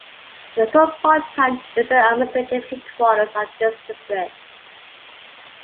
The Supaul town is the administrative headquarters of this district.